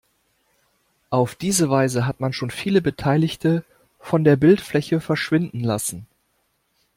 Auf diese Weise hat man schon viele Beteiligte von der Bildfläche verschwinden lassen.